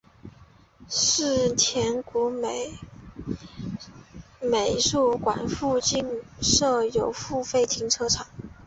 世田谷美术馆附近设有付费停车场。